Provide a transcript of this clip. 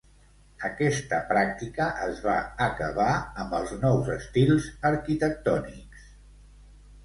Aquesta pràctica es va acabar amb els nous estils arquitectònics?